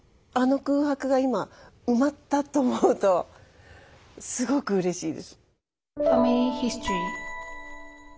あの空白が今埋まったと思うとすごくうれしいです。